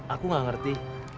aku gak ngerti